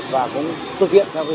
và cũng thực hiện theo